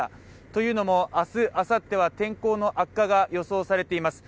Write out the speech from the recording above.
というのも明日、あさっては天候の悪化が予想されています。